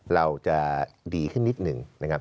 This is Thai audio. เราจะดีขึ้นนิดหนึ่งนะครับ